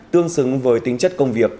tương xứng với tính chất công việc